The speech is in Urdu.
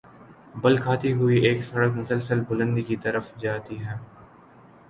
بل کھاتی ہوئی ایک سڑک مسلسل بلندی کی طرف جاتی ہے۔